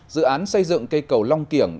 dự án xây dựng cây cầu long kiểng